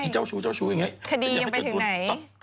คดียังไปถึงไหน